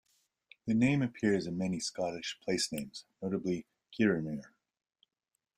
The name appears in many Scottish placenames, notably Kirriemuir.